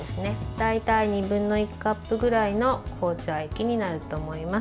大体、２分の１カップぐらいの紅茶液になると思います。